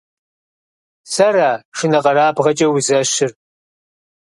Сэра шынэкъэрабгъэкӀэ узэщыр?!